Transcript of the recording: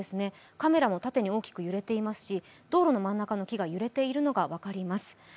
カメラも縦に大きく揺れてますし道路の真ん中の木が揺れているのが分かります。